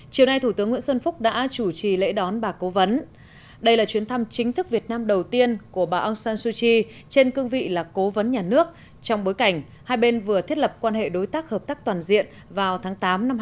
chiều nay thủ tướng nguyễn xuân phúc đã chủ trì lễ đón bà cố vấn đây là chuyến thăm chính thức việt nam đầu tiên của bà aung san suu kyi trên cương vị là cố vấn nhà nước trong bối cảnh hai bên vừa thiết lập quan hệ đối tác hợp tác toàn diện vào tháng tám năm hai nghìn hai mươi